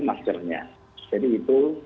maskernya jadi itu